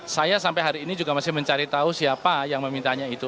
saya sampai hari ini juga masih mencari tahu siapa yang memintanya itu